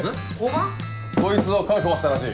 こいつを確保したらしい。